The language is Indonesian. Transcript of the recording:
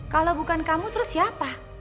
kalau bukan kamu terus siapa